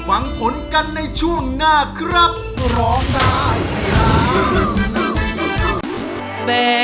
อันยกที่๒นี้ไปด้วยกันหรือไม่